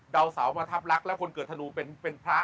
ดาวเสามาทับรักแล้วคนเกิดธนูเป็นพระ